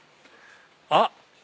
あっ！